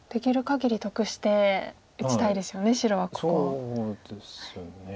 そうですね。